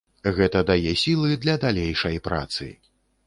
Гэта дае сілы для далейшай працы.